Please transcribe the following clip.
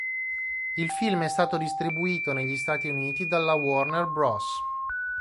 Il film è stato distribuito negli Stati Uniti dalla Warner Bros.